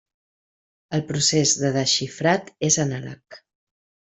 El procés de desxifrat és anàleg.